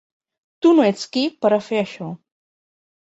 Tu no ets qui per a fer això.